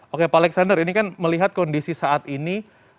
oke pak alexander ini kan melihat kondisi saat ini